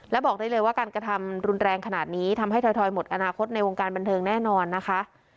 และบอกได้เลยว่าการกระทำรุนแรงขนาดนี้ทำให้ถอยหมดอนาคตในวงการบันเทิงแน่นอนนะคะ